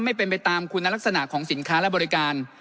ไม่เป็นไปตามคุณลักษณะของสินค้าและบริการ